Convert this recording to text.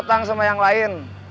kau potang sama yang lain